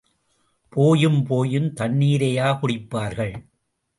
போயும் போயும் தண்ணீரையா குடிப்பார்கள்.